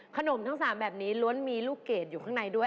ทั้ง๓แบบนี้ล้วนมีลูกเกดอยู่ข้างในด้วย